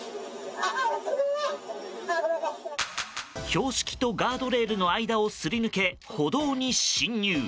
標識とガードレールの間をすり抜け歩道に侵入。